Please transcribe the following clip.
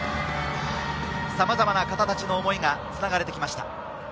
さまざま方たちの思いがつながれてきました。